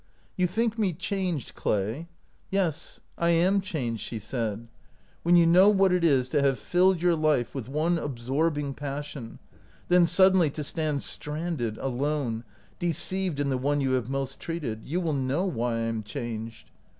"You think me changed, Clay? Yes, I am changed," she said. " When you know what it is to have filled your life with one absorbing passion, then suddenly to stand stranded, alone, deceived in the one you have most trusted, you will know why I am changed.